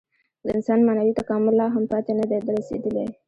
د انسان معنوي تکامل لا هم پای ته نهدی رسېدلی.